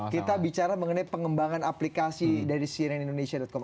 kita bicara mengenai pengembangan aplikasi dari cnnindonesia com